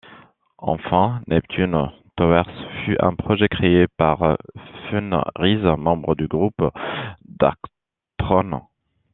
Enfin, Neptune Towers fut un projet créé par Fenriz, membre du groupe Darkthrone.